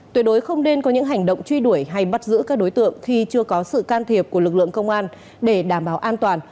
tuyệt đối không nên có những hành động truy đuổi hay bắt giữ các đối tượng khi chưa có sự can thiệp của lực lượng công an để đảm bảo an toàn